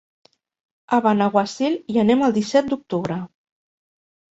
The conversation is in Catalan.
A Benaguasil hi anem el disset d'octubre.